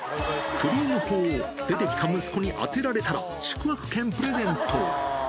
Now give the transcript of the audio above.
クリーム砲を出てきた息子に当てられたら、宿泊券プレゼント。